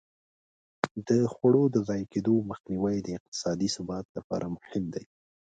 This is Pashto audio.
د خواړو د ضایع کېدو مخنیوی د اقتصادي ثبات لپاره مهم دی.